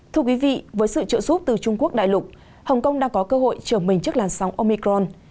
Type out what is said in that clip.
thưa quý vị với sự trợ giúp từ trung quốc đại lục hồng kông đang có cơ hội trưởng mình trước làn sóng omicron